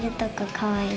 かわいい。